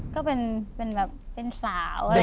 ก็เป็นแบบเป็นสาวอะไรอย่างนี้